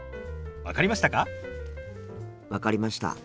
分かりました。